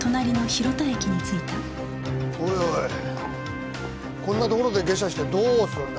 おいおいこんなところで下車してどうするんだよ。